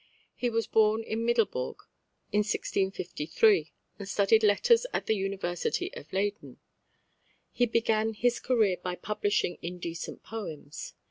He was born at Middlebourg in 1653, and studied letters at the University of Leyden. He began his career by publishing indecent poems.